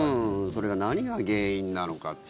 それが何が原因なのか。